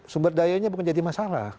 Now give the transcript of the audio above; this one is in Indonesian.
sumber dayanya bukan jadi masalah